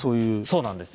そうなんですよ。